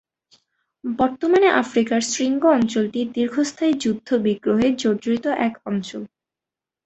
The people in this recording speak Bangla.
বর্তমানে আফ্রিকার শৃঙ্গ অঞ্চলটি দীর্ঘস্থায়ী যুদ্ধ-বিগ্রহে জর্জরিত এক অঞ্চল।